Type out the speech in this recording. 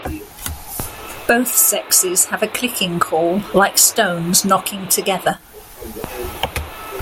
Both sexes have a clicking call like stones knocking together.